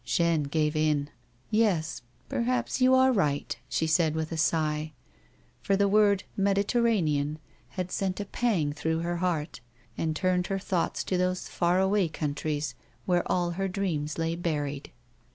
Jeanne gave in. " Yes, perhaps you are right," she said with a sigh, for the word " Mediterranean " had sent a pang through her heart, and turned her thoughts to those far away countries where all her dreams lay buried.